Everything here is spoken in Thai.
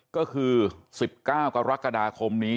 ก็คือ๑๙กรกฎาคมนี้